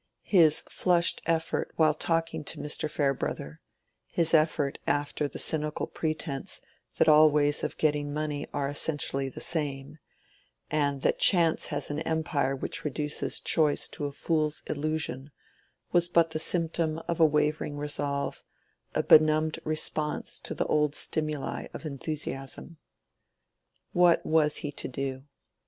His flushed effort while talking to Mr. Farebrother—his effort after the cynical pretence that all ways of getting money are essentially the same, and that chance has an empire which reduces choice to a fool's illusion—was but the symptom of a wavering resolve, a benumbed response to the old stimuli of enthusiasm. What was he to do?